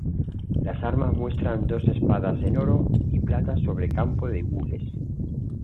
Las armas muestran dos espadas en oro y plata sobre campo de gules.